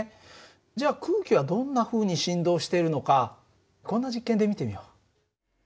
じゃあ空気はどんなふうに振動しているのかこんな実験で見てみよう。